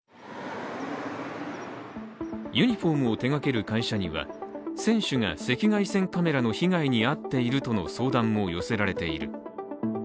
ユニフォームを手がける会社には選手が赤外線カメラの被害に遭っているとの相談も寄せられている。